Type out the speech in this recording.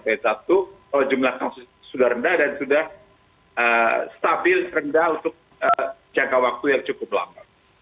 kalau jumlah kasus sudah rendah dan sudah stabil rendah untuk jangka waktu yang cukup lama